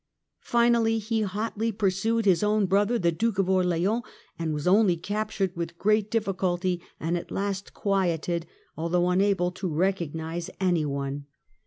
Finally he hotly pursued his own brother the Duke of Orleans, and was only captured with great difficulty, and at last quieted, although unable to recognise any one.